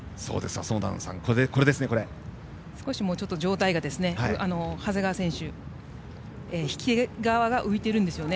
少し上体が長谷川選手引き手側が浮いているんですよね。